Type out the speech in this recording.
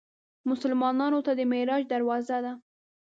مسلمانانو ته د معراج دروازه ده.